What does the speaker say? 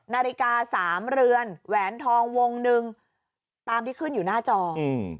นาฬิกาสามเรือนแหวนทองวงหนึ่งตามที่ขึ้นอยู่หน้าจออืม